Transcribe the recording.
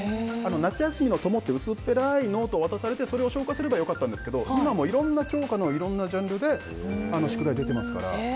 夏休みの友って薄っぺらいノート渡されてそれを消化すればよかったんですが今はいろんな教科のいろんなジャンルで出ているので。